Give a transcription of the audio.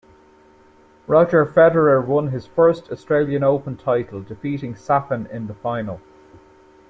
Roger Federer won his first Australian Open title, defeating Safin in the final.